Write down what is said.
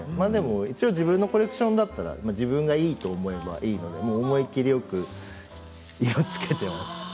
一応、自分のコレクションだったら、自分がいいと思えばいいので思い切りよく色をつけています。